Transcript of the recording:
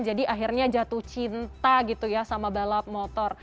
jadi akhirnya jatuh cinta gitu ya sama balap motor